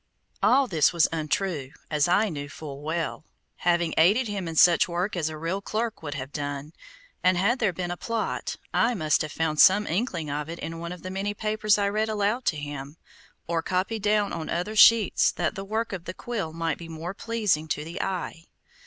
All this was untrue, as I knew full well, having aided him in such work as a real clerk would have done, and had there been a plot, I must have found some inkling of it in one of the many papers I read aloud to him, or copied down on other sheets that the work of the quill might be more pleasing to the eye.